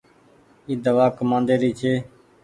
اي دوآ ڪمآندي ري ڇي۔